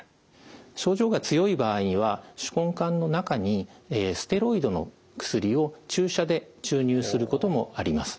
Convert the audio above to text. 症状が強い場合には手根管の中にステロイドの薬を注射で注入することもあります。